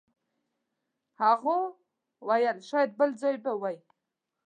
هغوی ویل شاید بل ځای به وئ.